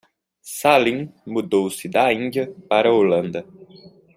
Salim mudou-se da Índia para a Holanda.